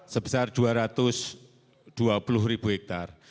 sebesar dua ratus dua puluh ribu hektare